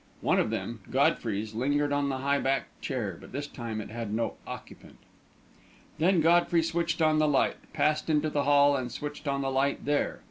One of them Godfrey's lingered on the high backed chair, but this time it had no occupant. Then Godfrey switched on the light, passed into the hall and switched on the light there.